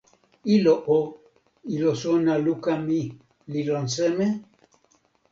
ilo o, ilo sona luka mi li lon seme?